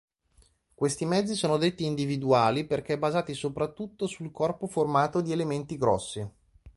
Questi mezzi sono detti individuali perché basati soprattutto sul corpo formato di elementi grossi.